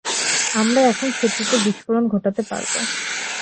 আমরা এখন সেতুতে বিস্ফোরণ ঘটাতে পারবো!